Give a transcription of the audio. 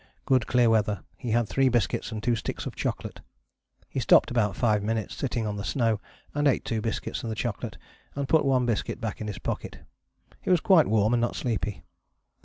Good clear weather. He had three biscuits and two sticks of chocolate. He stopped about five minutes, sitting on the snow, and ate two biscuits and the chocolate, and put one biscuit back in his pocket. He was quite warm and not sleepy.